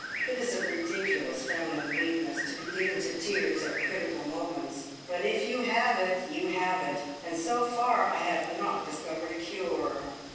It is a ridiculous feminine weakness to be given to tears at critical moments, but if you have it, you have it, and so far I have not discovered a cure.